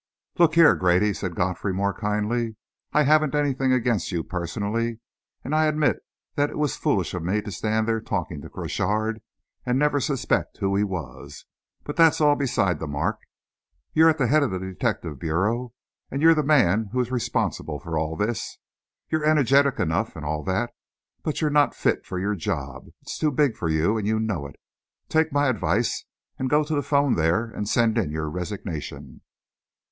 "Look here, Grady," said Godfrey, more kindly, "I haven't anything against you personally, and I admit that it was foolish of me to stand there talking to Crochard and never suspect who he was. But that's all beside the mark. You're at the head of the detective bureau, and you're the man who is responsible for all this. You're energetic enough and all that; but you're not fit for your job it's too big for you, and you know it. Take my advice, and go to the 'phone there and send in your resignation."